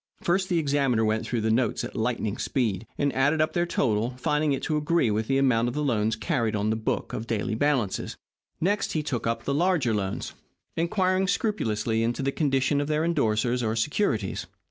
First, the examiner went through the notes at lightning speed, and added up their total, finding it to agree with the amount of loans carried on the book of daily balances. Next, he took up the larger loans, inquiring scrupulously into the condition of their endorsers or securities.